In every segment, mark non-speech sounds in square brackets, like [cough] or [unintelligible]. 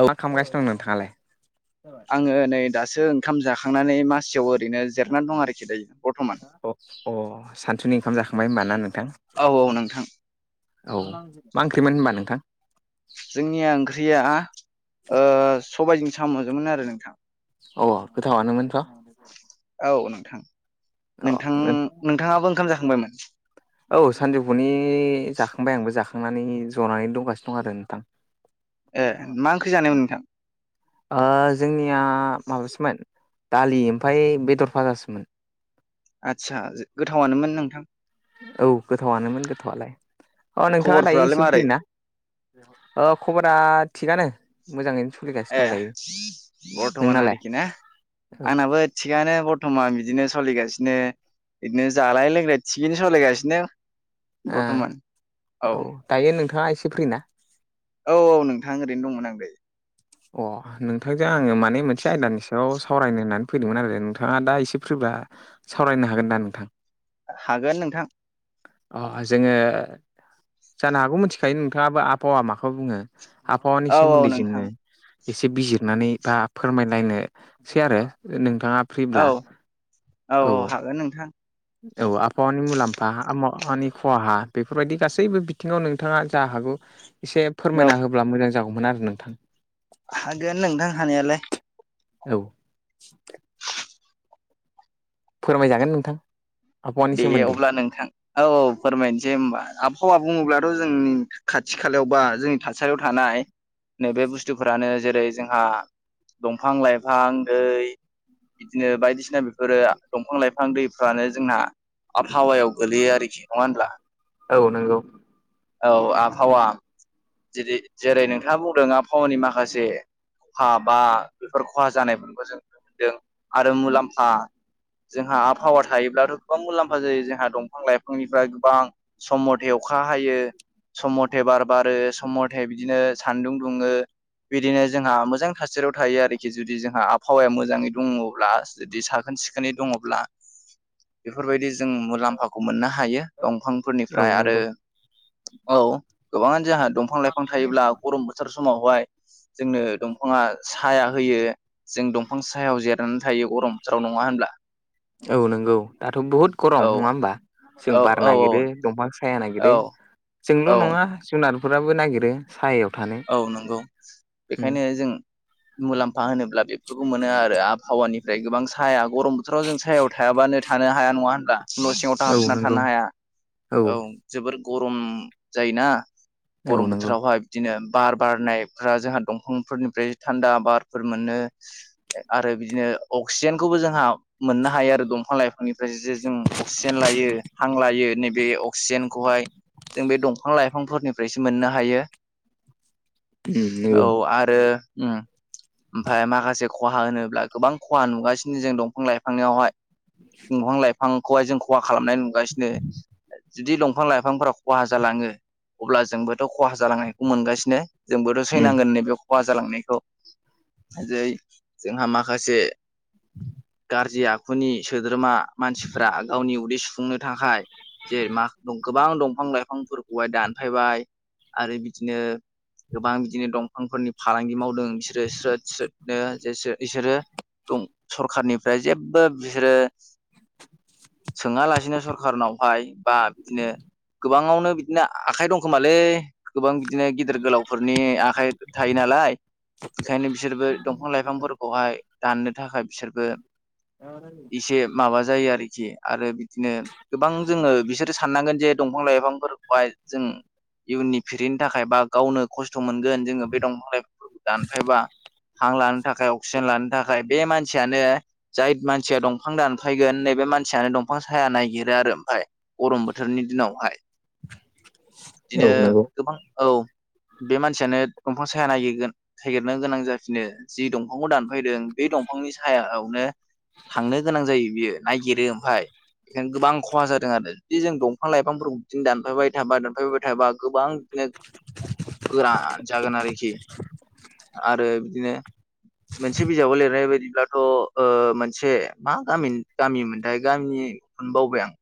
औ मा खामगासिनो दं नोंथाङालाय? आङो नै दासो ओंखाम जाखांनानै मासियाव ओरैनो जिरायनानै दं आरोखि दायो बर्थ'मान अ-अ सानथुनि ओंखाम जाखांबाय होमबा ना नोंथां। औ औ नोंथां। औ मा ओंख्रिमोन होनबा नोंथां। जोंनिया ओंख्रिया सबायजों साम'जोमोन आरो नोंथां। अ गोथावानोमोनथ'। औ नोंथां नोंथां नोंथाङाबो ओंखाम जाखांबायमोन। औ सानजौफुनि जाखांबाय आंबो जाखांनानै जनानै दंगासिनो दं आरो नोंथां। ए मा ओंख्रि जानायमोन नोंथां। जोंनिया माबासोमोन दालि ओमफ्राय बेदर भाजासोमोन। आदसाा गोथावानोमोन नोंथां। औ गोथावानोमोन गोथावालाय अ नोंथाङा दायो खबरफ्रालाय एसे मारै फ्रिना? अ खबरा थिगानो। मोजाङै सलिगा ए बर्थमान आरोखि ना औ आंनाबो थिगानो बर्थमान बिदिनो सोलिगासिनो इदिनो जालाय लोंलाय थिगैनो सलायगासिनो। आ औ दायो नोंथाङा एसे फ्रिना? औ-औ नोंथाङा ओरैनो दंमोन आं दायो। अ नोंथांजों आङो माने मोनसे आयदानि सायाव सावरायनो होननानै फैदोंमोन आरो नोंथाङा दा एसे फ्रिबा? सावरायनो हागोन दा नोंथां। हागोन नोंथां। अ जोङो जानो हागौ मिथिखायो नोंथाङाबो आबहावा माखौ बुङो। आबहावानि औ औ सोमोन्दै नोंथां जोंङो एसे बिजिरनानै बा फोरमायलायनोसै आरो नोंथाङा। फ्रिब्ला औ औ औ हागोन नोंथां। औ आबहावानि मुलाम्फा आबहानि खहा बेफोरबायदि गासैबो बिथिङाव नोंथाङा जा हागौ एसे औ फोरमायना होब्ला मोजां जागौमोन आरो नोंथां। हागोन नोंथां हानायालाय। औ। फोरमायजागोन नोंथां। आबहावानि दे सोमोन्दै अब्ला नोंथां। औ औ फोरमायनोसै होमबा आबहावा बुङोब्लाथ' जोंनि खाथि खालायाव बा जोंनि थासारियाव थानाय ओ नैबे बुस्थुफोरानो जेरै जोंहा दंफां-लाइफां दै बिदिनो बायदिसिना बेफोरो दंफां लाइफां दैफ्रानो जोंहा आबहावायाव गोगलैयो आरोखि नङा होनब्ला? औ नंगौ। औ आबहावा जे जेरै नोंथाङा बुंदों आबहावानि माखासे खहा बा बेफोर खहा जानायफोरखौ जों नुनो मोनदों आरो मुलाम्फा जोंहा आबहावा थायोब्लाथ' गोबां मुलाम्फा जायो जोंहा दंफां-लाइफांनिफ्राय गोबां। सम मथे अखा हायो। सम मथे बार बारो सम मथे बिदिनो सान्दुं दुङो। बिदिनो जोंहा मोजां थासारियाव थायो आरोखि जुदि जोंहा आबहावाया मोजाङै दङब्ला जुदि साख्रि। साखोन सिखोनै दङब्ला [inaudible] बेफोरबायदि जों मुलाम्फाखौ मोननो हायो औ दंफांफोरनिफ्राय आरो। नंगौ औ गोबाङानो जोंहा दंफां लाइफां थायोब्ला गरम बोथोर समावहाय जोंनो दंफां दंफाङा साया होयो जों दंफां सायाव जिरनानै थायो गरम जाव नङा होनब्ला? औ नंगौ दाथ' बहुद गरम औ नङा होमबा? जों औ बार औ औ नागिरो दंफां साया औ नागिरो जोंल' औ नङा जुनारफोराबो नागिरो। सायायाव थानो। औ नंगौ उम बेखायनो जों मुलाम्फा होनोब्ला बेफोरखौ मोनो आरो आबहावानिफ्राय गोबां साया गरम बोथोराव जों सायाव थायाबानो थानो हाया नङा होनब्ला न' सिङाव था औ हाबफिनना नंगौ थानो हाया औ। जोबोर गरम जायोना औ गरम नंगौ बोथोरावहाय बिदिनो बार बारनायफोरा जोंहा दंफांफोरनिफ्राय थान्दा बारफोर मोनो आरो बिदिनो अक्सिजेनखौबो जोंहा मोननो हायो आरो दंफां लाइफांनिफ्राय जे जों अक्सिजेन लायो हां लायो नैबे अक्सिजेनखौहायो जों बे दंफां लाइफांफोरनिफ्रायसो मोननो हायो। उम नंगौ औ आरो। ओमफ्राय माखासे खहा होनोब्ला गोबां खहा नुगासिनो जों दंफां लाइफांनियावहायो दंफां लाइफांखौहाय जों खहा खालामनाय नुगासिनो। जुदि दंफां लाइफांफोरा खहा जालाङो अब्ला जोंबोथ' खहा जालांनायखौ मोनगासिनो जोंबोथ' उम थैनांगोन नैबे खहा जालांनायखौ जै जोंहा माखासे। गाज्रि आखुनि सोद्रोमा मानसिफ्रा गावनि उदै सुफुंनो थाखाय जे [unintelligible] गोबां दंफां लाइफांफोरखौहाय दानफायबाय आरो बिदिनो गोबां बिदिनो दंफांफोरनि फालांगि मावदों बिसोरो स्रोद स्रोदनो बिसोरो दं सरखारनिफ्राय जेबो बिसोरो सोङालासिनो सरखारारनावहाय बा बिदिनो गोबाङावनो बिदिनो आखाइ दंखोमालै गोबां बिदिनो गिदिर गोलावफोरनि आखाइ थायो नालाय। बेखायनो बिसोरबो दंफां लाइफांफोरखौहाय दाननो थाखाय बिसोरबो एसे [inaudible] माबा जायो आरोखि आरो बिदिनो गोबां जोङो बिसोरो साननांगोन जे दंफां लाइफांफोरखौहाय जों इयुननि फिरिनि थाखाय बा गावनो खस्थ' मोनगोन जोङो बे दंफां लाइफोरखौ दानफायबा हां लानो थाखाय अक्सिजेन लानो था थाखाय बे मानसियानो जाय मानसिया दंफां दानफायगोन नैबे मानसियानो दंफां साया नायगिरो आरो ओमफ्राय गरम बोथोरनि दिनावहाय औ बिदिनो नंगौ गोबां औ। बे मानसियानो दंफां साया नागिरगोन। थेगेरनो गोनां जाफिनो जि दंफांखौ दानफैदों बे दंफांनि सायावनो। थांनो गोनां जायो बियो नायगिरो ओमफाय बेखायनो गोबां खहा जादों आरो बे जों दंफां लाइफांफोरखौ बिदिनो दानफायबाय थाबा दानफायबाय थाबा गोबां बिदिनो गोरा जागोन आरोखि आरो बिदिनो मोनसे बिजाबाव लिरनाय बायदिब्लाथ' ओ मोनसे मा गामि गामि मोनथाय गामिनि होनबावबाय आं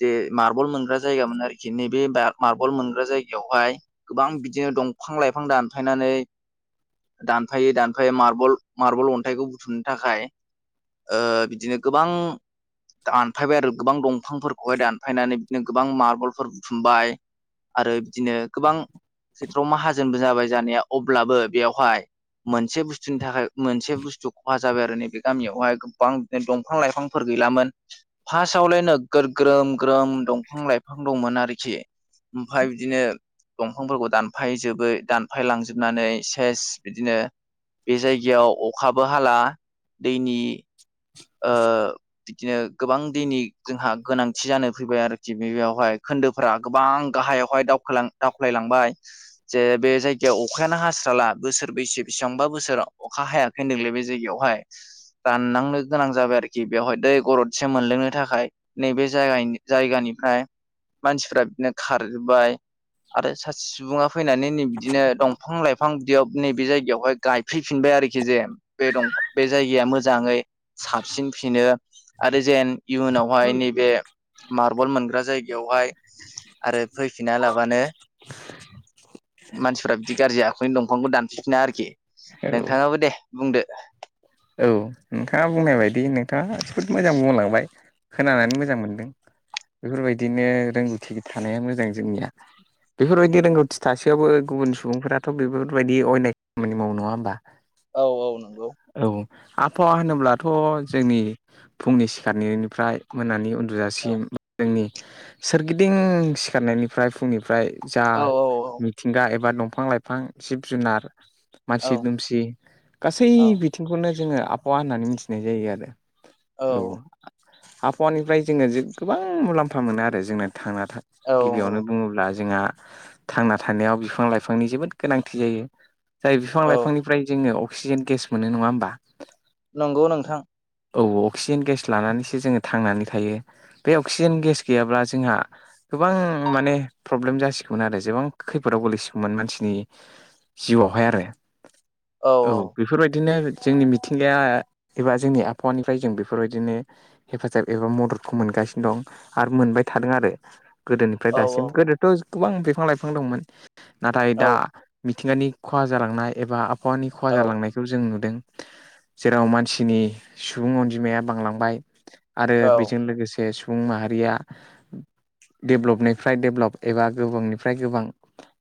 जे मार्बल मोनग्रा जायगामोन आरोखि नैबे बा मार्बल मोनग्रा जायगायावहाय। गोबां बिदिनो दंफां लाइफां दानफायनानै दानफायै दानफायै मार्बल मार्बल अन्थाइखौ बुथुमनो थाखाय ओ बिदिनो गोबां दानफायबाय आरो गोबां दंफांफोरखौहाय दानफायनानै बिदिनो गोबां मार्बलफोर बुथुमबाय। आरो बिदिनो गोबां खेथ्र'आव माहाजोनबो जाबाय जानाया अब्लाबो बेवहाय मोनसे बुस्थुनि थाखाय मोनसे बुस्थु खहा जाबाय आरो नैबे गामियावहाय गोबां जे दंफां लाइफांफोर गैलामोन। फार्स्टावलाय नोगोर ग्रोम ग्रोम दंफां लाइफां दंमोन आरोखि ओमफाय बिदिनो दंफांफोरखौ दानफाय जोबै दानफायलांजोबनानै सेस बिदिनो बे जायगायाव अखाबो हाला दैनि [inaudible] ओ बिदिनो गोबां दैनि जोंहा गोनांथि जानो फैबाय आरोखि बे बेयावहाय खोन्दो फोर गोबां गाहायाव दावखो लां दावख्लायलांबाय। जे बे जायगायाव अखायानो हास्राला बोसोर ब्रैसो बेसेबांबा बोसो राव अखा हायाखै होनदोंलै बे जायगायावहाय रानलांनो गोनां जाबाय आरोखि बेवहाय दै गरदसे मोनलोंनो थाखाय नैबे जाय जायगानिफ्राय मानसिफ्रा बिदिनो खारजोबबाय आरो सासे सुबुङा फैनानै नै बिदिनो दंफां लाइ फां बिदियाव नैबे जायगायावहाय गायफैफिनबाय आरोखि जे बे दं बे जायगाया मोजाङै साबसिन फिनो आरो जेन इयुनावहाय नैबे मार्बल मोनग्रा जायगायावहाय आरो फैफिना लाबानो मानसिफ्रा बिदि गाज्रि आखुनि दंफांखौ दानफिना आरोखि औ नोंथाङाबो दे बुंदो। औ नोंथाङा बुंनाय बायदि नोंथाङा जोबोद मोजां बुंलांबाय। खोनानानै मोजां मोनदों बेफोरबायदिनो रोंगौथि थानाया मोजां जोंनिया बेफोरबायदि रोंगौथि थासेयावबो गुबुन सुबुंफोराथ' बेफोरबायदि अयनाय खामानि मावो नङा ओमबा? औ औ नंगौ। औ आबहावा होनोब्लाथ' जोंनि फुंनि सिखारननायनिफ्राय मोनानि उ न्दु औ जासिम जोंनि सोरगिदिं सिखारनायनिफ्राय फुंनिफ्राय जा औ मिथिंगा एबा दंफां लाइफां जिब जुनार औ मानसि दुमसि गासै बिथिंखौनो जोङो आबहावा होननानै मिथिनाय जायो आरो। औ आबहावानिफ्राय जोङो गोबां मुलाम्फा मोनो आरो जोंना। थांना था औ गिबियावनो बुङोब्ला जोंहा थांना थानायाव बिफां लाइफांनि जोबोद गोनांथि जायो। जाय बिफां औ लाइफांनिफ्राय जोङो अक्सिजेन गेस मोनो नङा होमबा? नंगौ नोंथां। औ अक्सिजेन गेस लानानैसो जोङो थांनानै थायो। बे अक्सिजेन गेस गैयाब्ला जोंहा गोबां माने प्रब्लेम जासिगौमोन आरो जेबां खैफोदाव गोलैसिगौमोन मानसिनि जिउआवहाय आरो औ बेफोरबाय दिनो जोंनि मिथिंगाया एबा जोंनि आबहावानिफ्राय जों बेफोरबायदिनो हेफाजाब एबा मददखौ मोनगासिनो दं आरो मोनबाय थादों आरो। गोदोनिफ्राय औ दासिम गोदोथ' गोबां बिफां लाइफां दंमोन नाथाय औ दा मिथिंगानि खहा जालांनाय एबा आबहावानि खहा औ जालांनाय बेखौ जों नुदों जेराव मानसिनि सुबुं अनजिमाया बांलांबाय। आरो औ बेजों लोगोसे सुबुं माहारिया डेभ्लपनिफ्राय डेभ्लप एबा गोबांनिफ्राय गोबां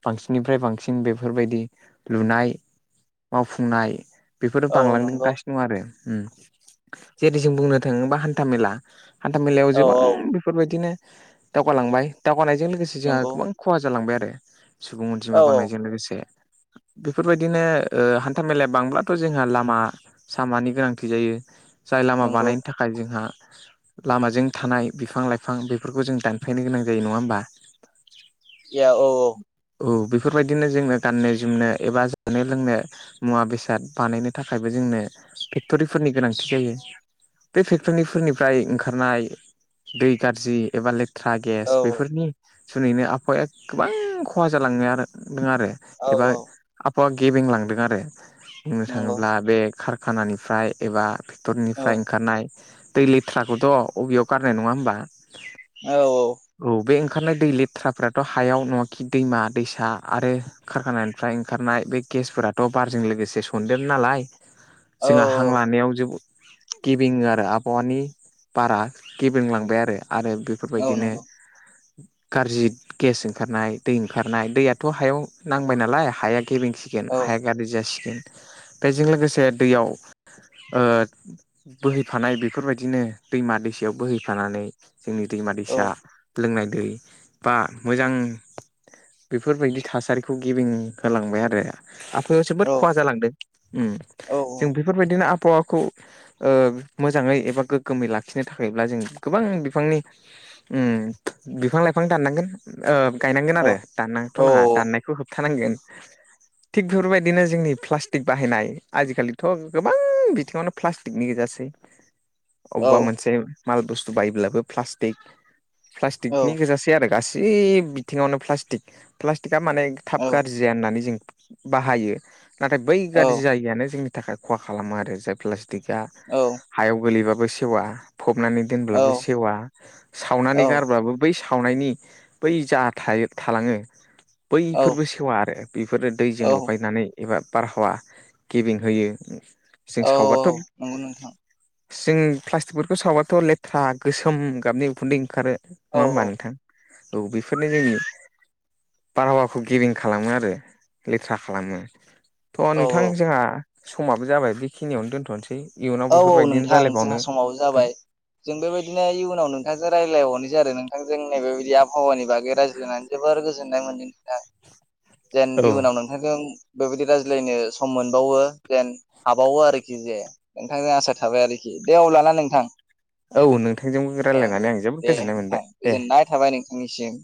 बांसिननिफ्राय बांसिन बेफोरबायदि लुनाय मावफुंनाय बेफोरो औ नंगौ बांलांदोगासिनो दङ आरो जेरै जों बुंनो थाङोबा हान्था मेला हान्था मेलायाव औ गोबां औ बेफोरबायदिनो दावगालांबाय दावगानायजों लोगोसे जोंहा नंगौ गोबां खहा जालांबाय आरो सुबुं अनजिमा औ औ बांनायजों लोगोसे। बेफोरबायदिनो ओ हान्था मेलाया बांब्ला थ' जोंहा लामा सामानि गोनांथि जायो जाय लामा नंगौ बानायनो थाखाय जोंहा लामाजों थानाय बिफां लाइफां बेफोरखौ जों दानफायनो गोनां जायो नङा होमबा? या औ [inaudible] औ बेफोरबायदिनो जोङो गाननो जोमनो एबा जानो लोंनो मुवा बेसाद बानायनो थाखायबो जोंनो फेक्ट'रिफोरनि गोनांथि जायो। बे फेक्ट'रिफोरनिफ्राय ओंखारनाय दै गारजि एबा ले थ्रा औ गेस बेफोरनि जुनैनो आबहावाया गोबां खहा जालांनोदों आरो। औ एबा औ आबहावा गेबेंलांदों आरो। बुंनो नंगौ थाङोब्ला बे कारखानानिफ्राय एबा औ फेक्टरिनिफ्राय ओंखारनाय दै लेथ्राखौथ' अबेयाव गारनो नङा होमबा? औ औ औ बे ओंखारनाय दै लेथ्राफोराथ' हायाव नङाखि दैमा दैसा आरो खारखानायनिफ्राय ओंखारनाय बे गेसफोराथ' बारजों लोगोसे [unintelligible] नालाय औ जोंहा हां लानायाव जोबोद गेबेङो आरो आबहावानि बारा गेबेंलांबाय आरो आरो बे औ बेफोरबायदिनो नंगौ गाज्रि गेस ओंखारनाय दै ओंखारनाय दैयाथ' हायाव नांबाय नालाय हाया गेबेंसिगोन औ हाया गारजि जासिगोन बेजों लोगोसे दैयाव ओ बोहैफानाय बेफोरबायदिनो दैमा दैसायाव बोहैफानानै जोंनि दैमा औ दैसा लोंनाय दै बा मोजां बेफोरबायदि थासारिखौ गेबें होलांबाय आरो। आबहायाव जोबोद औ खहा जालांदों औ जों बेफोरबायदिनो आबहावाखौ ओ मोजाङै एबा गोग्गोमै लाखिनो थाखायब्ला जों गोबां बिफांनि ओम बिफां लाइफां दाननांगोन ओ गायनांगोन औ आरो दाननोथ' औ नाङा दाननायखौ होबथानांगोन थिग बेफोरबायदिनो जोंनि प्लास्टिक बाहायनाय आजिखालिथ' गोबां बिथिङावनो प्लास्टिकनि गोजासै औ अबावबा मोनसे माल बुस्थु बायोब्लाबो प्लासटिक प्लास्टिकनि गोजासे सै आरो गासै बिथिङावनो प्लास्टिक प्लास्टिकआ माने थाब औ गाज्रि जाया होननानै जों बाहायो नाथाय बै गाज्रि जायैयानो जोंनि थाखाय खहा खालामो आरो जाय प्लास्टिका औ। हायाव गोलैबाबो सेवा फबनानै दोनब्लाबो सेवा सावनानै गारब्लाबो बै सावनायनि बै जा थालाङो। बैफोरबो सेवा आरो बेफोरनो दैजों औ लगायनानै एबा बारहावा गेबें होयो जों सावबाथ' नंगौ नोंथां जों प्लास्टिकफोरखौ सावबाथ' लेथ्रा गोसोम गाबनि उखुनदै ओंखारो। औ नङा औ होमबा नोंथां औ बेफोरनो जोंनि बारहावाखौ गेबिं खालामो आरो लेथ्रा खालामो‌। थ' औ नोंथां जोंहा समाबो जाबाय बेखिनियावनो दोनथ'नोसै। इयुनाव औ औ बेफोरबायदिनो नोंथां रायलायबावनो जोंहा समाव जाबाय। जों बेबायदिनो इयनाव नोंथांजों रायज्लायहरनो आरो नोंथांजों नै बेबायदि आबहावानि बागै रायज्लायनानै। जोबोर गोजोननाय मोनदों नोंथां जेन औ इयुनाव नों नोंथांजों बेबायदि रायज्लायनो सम मोनबावो जेन हाबावो आरोखि जे नोंथांजों आसा थाबाय आरोखि दे अलाना नोंथां। औ नोंथांजोंबो औ औ रायज्लायनानै आं जोबोद दे गोजोननाय नोंथां मोनबाय दे। गोजोननाय थाबाय नोंथांनिसिम।